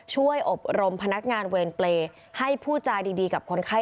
ช่วยอบรมพนักงานเวรเปรย์ให้ผู้จาดีกับคนไข้